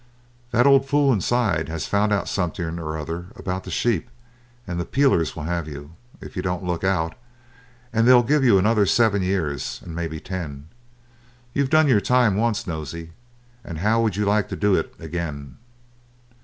That old fool inside has found out something or other about the sheep, and the peelers will have you, if you don't look out, and they'll give you another seven years and maybe ten. You've done your time once, Nosey, and how would you like to do it again?